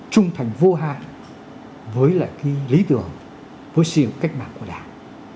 trung thành vô hạn với lại cái lý tưởng với sự cách mạng của đảng